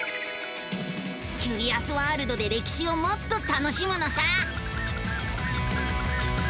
キュリアスワールドで歴史をもっと楽しむのさ！